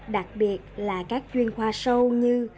đặc biệt là các chuyên khoa sâu như